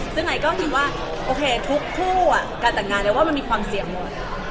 ซึ่งไอก็เห็นว่าทุกผู้การแต่งงานมันมีความเสี่ยงหมด